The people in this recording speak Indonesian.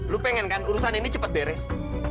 lu pengen kan urusan ini cepat beres